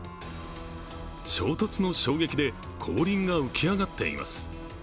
衝突の衝撃で後輪が浮き上がっています。